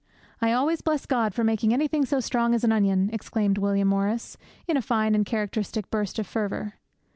'I always bless God for making anything so strong as an onion!' exclaimed William Morris, in a fine and characteristic burst of fervour.